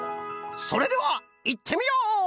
それではいってみよう！